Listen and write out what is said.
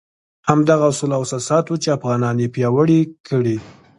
همدغه اصول او اساسات وو چې افغانان یې پیاوړي کړي.